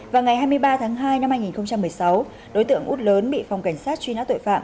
vào ngày hai mươi ba tháng hai năm hai nghìn một mươi sáu đối tượng út lớn bị phòng cảnh sát truy nã tội phạm